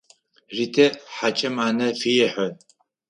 Ритэ хьакӏэм ӏанэ фехьы.